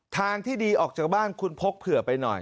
ทางที่ดีออกจากบ้านคุณพกเผื่อไปหน่อย